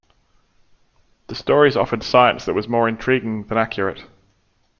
The stories offered science that was more intriguing than accurate.